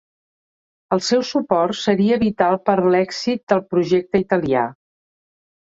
El seu suport seria vital per a l'èxit del projecte italià.